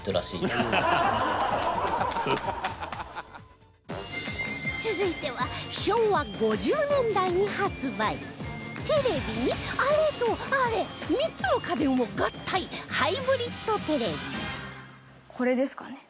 富澤：ハハハ！続いては昭和５０年代に発売テレビに、あれとあれ３つの家電を合体ハイブリッドテレビこれですかね。